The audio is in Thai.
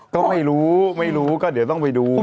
ก็ไม่รู้ไม่รู้ก็เดี๋ยวต้องไปดู